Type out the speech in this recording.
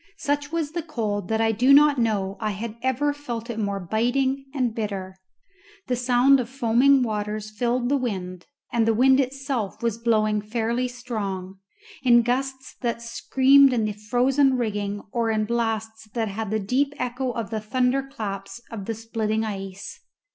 Such was the cold that I do not know I had ever felt it more biting and bitter. The sound of foaming waters filled the wind, and the wind itself was blowing fairly strong, in gusts that screamed in the frozen rigging or in blasts that had the deep echo of the thunder claps of the splitting ice.